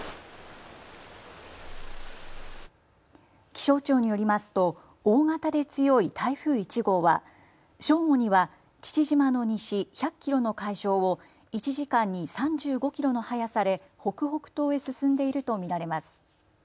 気象庁によりますと大型で強い台風１号は正午には父島の西１００キロの海上を１時間に３５キロの速さで北北東へ進んでいると見られます。